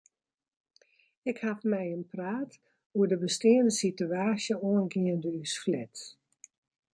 Ik ha mei him praat oer de besteande sitewaasje oangeande ús flat.